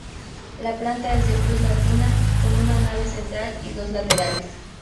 La planta es de cruz latina, con una nave central y dos laterales.